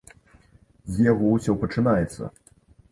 З яго ўсё пачынаецца.